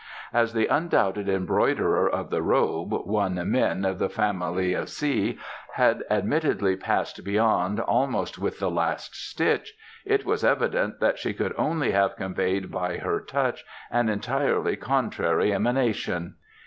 As the undoubted embroiderer of the robe one Min of the family of Hsi had admittedly Passed Beyond almost with the last stitch, it was evident that she could only have conveyed by her touch an entirely contrary emanation.